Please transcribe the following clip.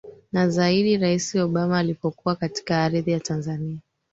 na zaidi Rais Obama alipokuwa katika ardhi ya Tanzania